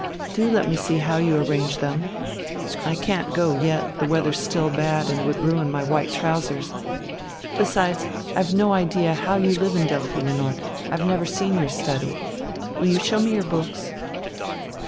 Do let me see how you arrange them. I can't go yet, the weather's still bad and would ruin my white trousers. Besides, I've no idea how you live in Delphinenort, I've never seen your study. Will you show me your books?"